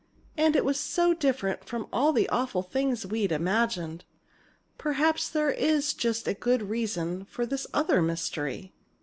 And it was so different from all the awful things we'd imagined. Perhaps there is just as good a reason for this other mystery."